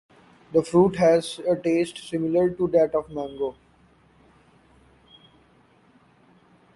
The fruit has a taste similar to that of the mango.